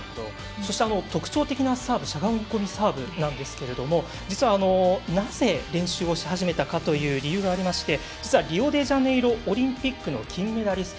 特徴的なサーブしゃがみ込みサーブなんですけど実はなぜ練習をし始めたかという理由がありまして実はリオデジャネイロオリンピックの金メダリスト